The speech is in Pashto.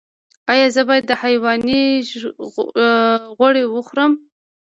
ایا زه باید د حیواني غوړي وخورم؟